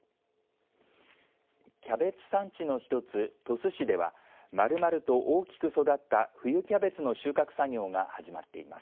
キャベツ産地の一つ鳥栖市では丸々と大きく育った冬キャベツ収穫作業が始まっています。